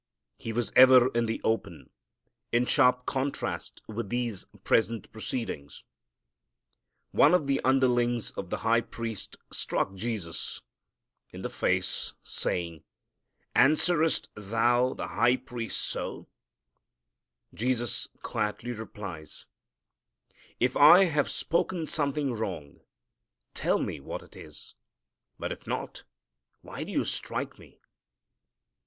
He was ever in the open, in sharp contrast with these present proceedings. One of the underlings of the high priest struck Jesus in the face, saying, "Answerest thou the high priest so?" Jesus quietly replies, "If I have spoken something wrong tell me what it is, but if not, why do you strike Me?"